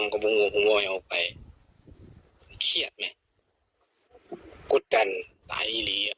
มันก็ผมว่าผมว่าไม่เอาไปเครียดแม่งกดกันตายหลีอ่ะ